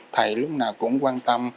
thầy lúc nào cũng quan tâm